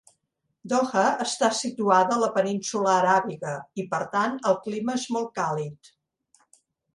Doha està situada a la península Aràbiga, i per tant el clima és molt càlid.